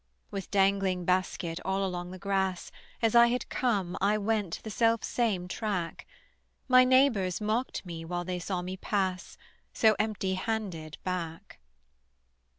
With dangling basket all along the grass As I had come I went the selfsame track: My neighbors mocked me while they saw me pass So empty handed back.